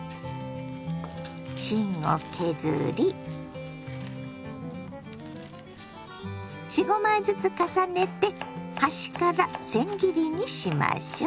芯を削り４５枚ずつ重ねて端からせん切りにしましょ。